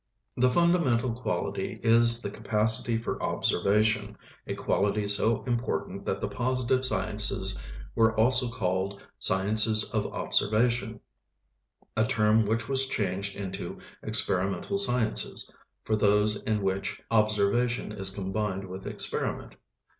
The fundamental quality is the capacity for "observation"; a quality so important that the positive sciences were also called "sciences of observation," a term which was changed into "experimental sciences" for those in which observation is combined with experiment.